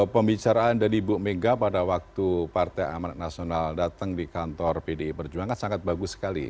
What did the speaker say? pembicaraan dari ibu mega pada waktu partai amanat nasional datang di kantor pdi perjuangan sangat bagus sekali